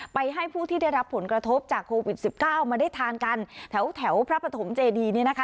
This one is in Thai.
ไปให้ผู้ที่ได้รับผลกระทบจากโควิดสิบเก้ามาได้ทานกันแถวแถวพระปฐมเจดีนะคะ